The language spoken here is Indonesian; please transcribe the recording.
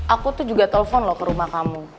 aku tuh juga telepon loh ke rumah kamu